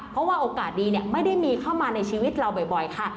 เพราะว่าโอกาสดีไม่ได้มีเข้ามาในชีวิตเราบ่อยค่ะ